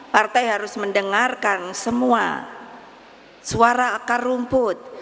partai harus mendengarkan semua suara akar rumput